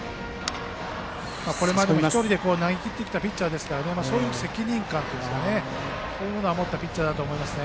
これまでも１人で投げきってきたピッチャーなので責任感というのを持ったピッチャーだと思います。